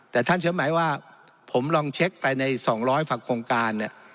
แต่ท่านเฉพาะหมายว่าผมลองเช็กไปใน๒๐๐ภักษ์โครงการ